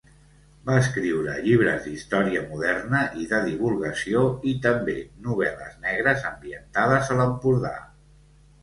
Va escriure llibres d'història moderna i de divulgació i també novel·les negres ambientades a l'Empordà.